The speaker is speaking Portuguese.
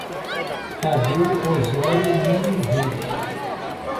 Tadeu Osório Nuno Reis